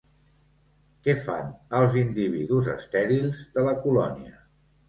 Què fan els individus estèrils de la colònia?